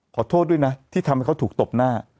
ขอโทษด้วยนะที่ทำให้เขาถูกตบหน้า